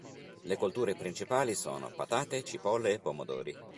Le colture principali sono patate, cipolle e pomodori.